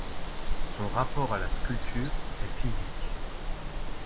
Son rapport à la sculpture est physique.